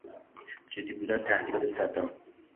جدی بودن تهدیدات صدام